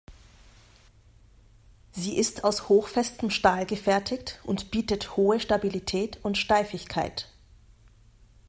Sie ist aus hochfestem Stahl gefertigt und bietet hohe Stabilität und Steifigkeit.